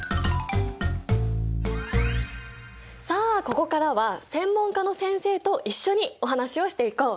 さあここからは専門家の先生と一緒にお話をしていこう。